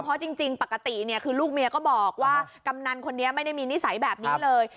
เพราะจริงปกติเนี่ยคือลูกเมียก็บอกว่ากำนันคนนี้ไม่ได้มีนิสัยแบบนี้เลย